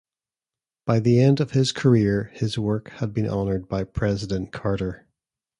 By the end of his career, his work had been honored by President Carter.